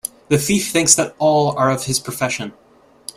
The thief thinks that all are of his profession.